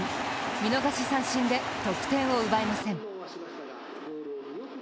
見逃し三振で得点を奪えません。